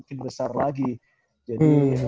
lebih besar lagi jadi